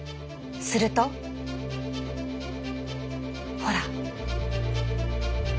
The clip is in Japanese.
するとほら。